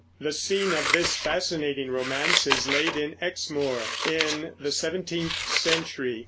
The scene of this fascinating romance is laid in Exmoor in the seventeenth century.